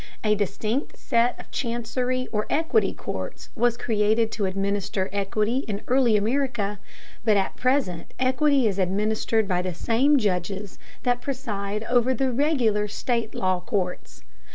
A distinct set of chancery or equity courts was created to administer equity in early America, but at present equity is administered by the same judges that preside over the regular state law courts.